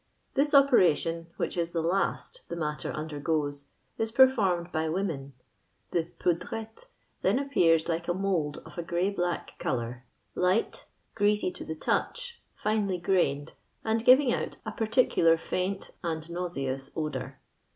This operation, which is the last the matter undergoes^ is peiformcHl by women. The poudrette then appears like a mouM of a grey black coloiir, light, greasy to the touch, flnelj grained, aud giving out a portiomar fidnt and nau MOOS odour.